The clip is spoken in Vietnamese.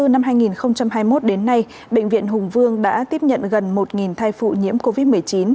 năm hai nghìn hai mươi một đến nay bệnh viện hùng vương đã tiếp nhận gần một thai phụ nhiễm covid một mươi chín